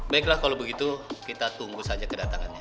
baiklah kalau begitu kita tunggu saja kedatangannya